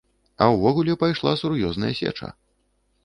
А ўвогуле пайшла сур'ёзная сеча.